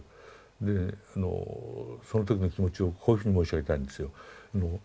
であのその時の気持ちをこういうふうに申し上げたいんですよ。